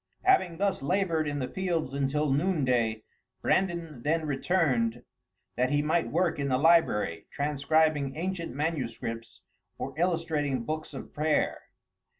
Having thus labored in the fields until noonday, Brandan then returned that he might work in the library, transcribing ancient manuscripts or illustrating books of prayer.